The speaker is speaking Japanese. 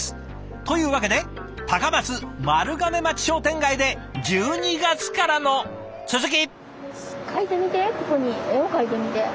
というわけで高松丸亀町商店街で１２月からの続き！